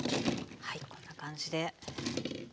はいこんな感じで。